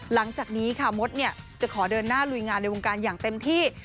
หลังจากนี้ค่ะมดจะขอเดินหน้าลุยงานในวงการอย่างเต็มที่